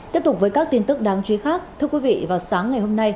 tiếp tục với các tin tức đáng chú ý khác thưa quý vị vào sáng ngày hôm nay